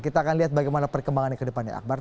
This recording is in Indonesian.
kita akan lihat bagaimana perkembangannya ke depannya akbar